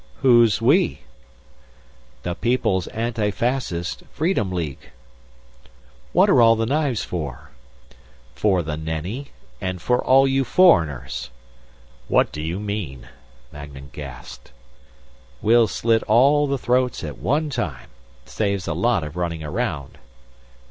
"Who's 'we'?" "The People's Anti Fascist Freedom League." "What are all the knives for?" "For the Nenni; and for all you foreigners." "What do you mean?" Magnan gasped. "We'll slit all the throats at one time. Saves a lot of running around."